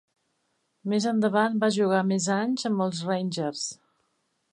Més endavant va jugar més anys amb els Rangers.